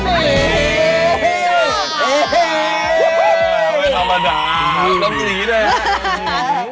ไม่ธรรมดาก็มีแดด